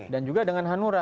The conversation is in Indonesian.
dan juga dengan hanura